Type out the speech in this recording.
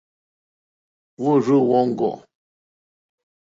Wòrzô wóŋɡô.